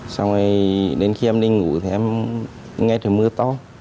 xong rồi đến khi em đi ngủ thì em nghe trời mưa to